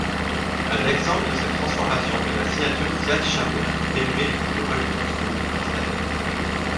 Un exemple de cette transformation est la signature Fiat-Shamir dérivée du protocole de Guillou-Quisquater.